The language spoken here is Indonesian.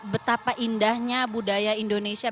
betapa indahnya budaya indonesia